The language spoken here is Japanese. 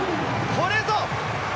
これぞ！